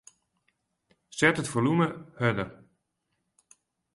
Set it folume hurder.